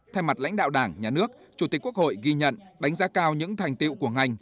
thay mặt lãnh đạo đảng nhà nước chủ tịch quốc hội ghi nhận đánh giá cao những thành tiệu của ngành